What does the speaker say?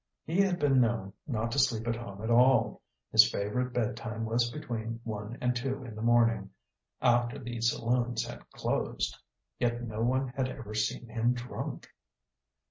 He had been known not to sleep at home at all; his favourite bedtime was between one and two in the morning after the saloons had closed. Yet no one had ever seen him drunk.